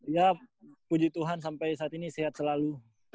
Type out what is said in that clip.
ya puji tuhan sampai saat ini sehat selalu